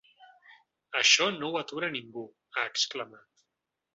Això no ho atura ningú!, ha exclamat.